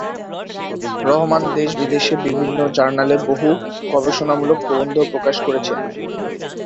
রহমান দেশ-বিদেশে বিভিন্ন জার্নালে বহু গবেষণামূলক প্রবন্ধ প্রকাশ করেছেন।